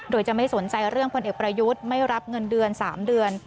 โดยจะไม่สนใจเรื่องพลเอกประยุทธ์ไม่รับเงินเดือน๓เดือน